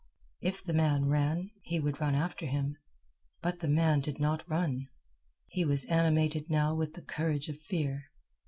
If the man ran, he would run after him; but the man did not run. He was animated now with the courage of fear.